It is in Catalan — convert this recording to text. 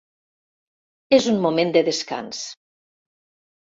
És un moment de descans.